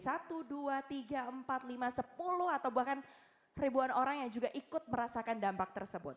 atau bahkan ribuan orang yang juga ikut merasakan dampak tersebut